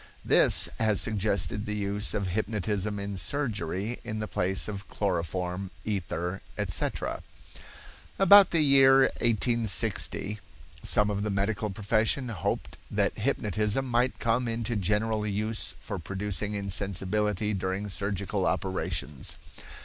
This has suggested the use of hypnotism in surgery in the place of chloroform, ether, etc. About the year 1860 some of the medical profession hoped that hypnotism might come into general use for producing insensibility during surgical operations.